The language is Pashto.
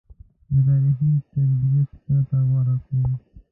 له تاریخي ترتیب پرته غوره کړو